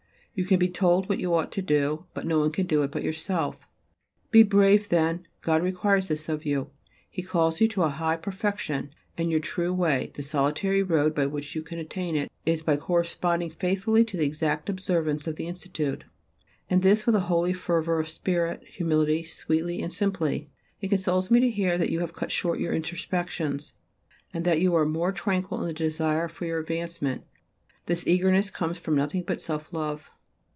You can be told what you ought to do, but no one can do it but yourself. Be brave then. God requires this of you. He calls you to a high perfection, and your true way, the solitary road by which you can attain it, is by corresponding faithfully to the exact observance of the Institute, and this with a holy fervour of spirit, humbly, sweetly and simply. It consoles me to hear that you have cut short your introspections, and that you are more tranquil in the desire for your advancement, this eagerness comes from nothing but self love.